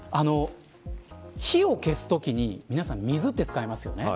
火を消すときに、皆さん水って使いますよね。